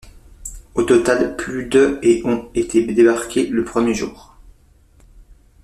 Au total, plus de et ont été débarqués le premier jour.